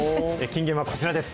金言はこちらです。